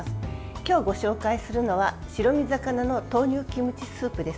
今日ご紹介するのは白身魚の豆乳キムチスープです。